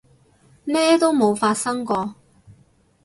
咩都冇發生過